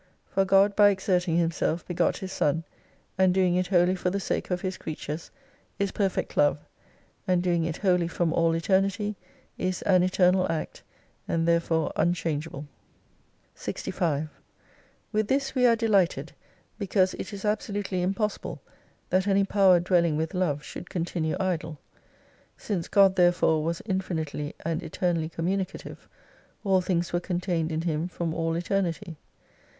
For God by exerting Himself begot His Son, and doing it wholly for the sake of His creatures, is perfect Love ; and doing it wholly from all Eternity, is an Eternal Act, and there fore unchangeable. 208 65 With this we are delighted because it is absolutely impossible that any Power dwelling with Love should continue idle. Since God therefore was infinitely and eternally communicative, all things were contained in Him from all Eternity.